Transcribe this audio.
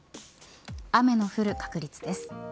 雨の降る確率です。